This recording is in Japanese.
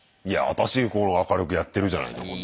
いやあたし明るくやってるじゃないの。